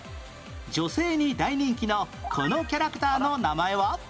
女性に大人気のこのキャラクターの名前は？